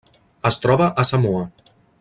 Es troba a Samoa.